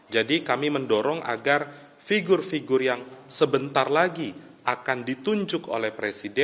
jadi kami mendorong agar figur figur yang sebentar lagi akan ditunjuk oleh presiden